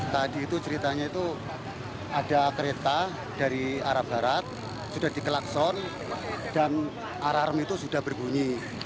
tadi ceritanya itu ada kereta dari arah barat sudah diklakson dan alarm itu sudah berbunyi